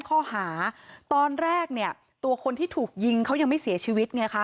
เพราะว่าเคยแล้วไม่อยากเล่นเดี๋ยวมีปัญหาอะไรกัน